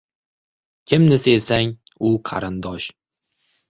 • Kimni sevsang — u qarindosh.